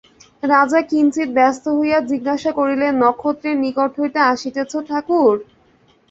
রাজা কিঞ্চিৎ ব্যস্ত হইয়া জিজ্ঞাসা করিলেন, নক্ষত্রের নিকট হইতে আসিতেছ ঠাকুর?